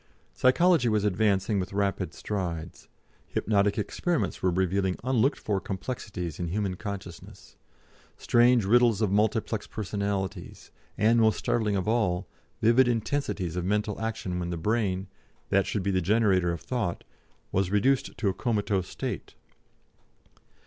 Psychology was advancing with rapid strides; hypnotic experiments were revealing unlooked for complexities in human consciousness, strange riddles of multiplex personalities, and, most startling of all, vivid intensities of mental action when the brain, that should be the generator of thought, was reduced to a comatose state.